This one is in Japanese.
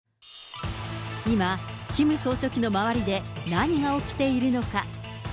今、キム総書記の周りで何が起きているのか。